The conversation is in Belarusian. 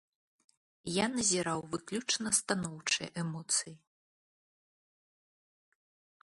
Я назіраў выключна станоўчыя эмоцыі.